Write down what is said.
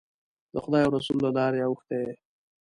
د خدای او رسول له لارې اوښتی یې.